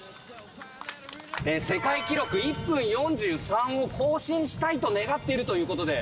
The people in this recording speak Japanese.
世界記録１分４３を更新したいと願っているということで。